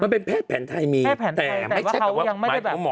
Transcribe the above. มันเป็นแพทย์แผนไทยมีแต่ไม่ใช่แบบว่า